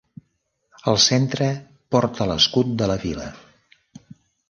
Al centre porta l'escut de la vila.